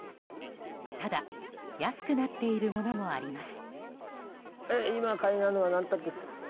ただ安くなっているものもあります。